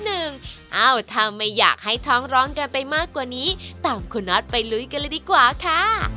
เอ้าถ้าไม่อยากให้ท้องร้อนกันไปมากกว่านี้ตามคุณน็อตไปลุยกันเลยดีกว่าค่ะ